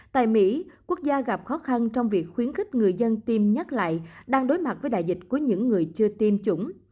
tại mỹ quốc gia gặp khó khăn trong việc khuyến khích người dân tiêm nhắc lại đang đối mặt với đại dịch của những người chưa tiêm chủng